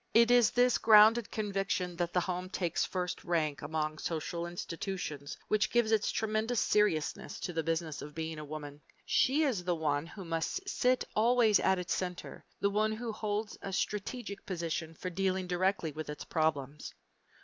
It is this grounded conviction that the home takes first rank among social institutions which gives its tremendous seriousness to the Business of Being a Woman. She is the one who must sit always at its center, the one who holds a strategic position for dealing directly with its problems.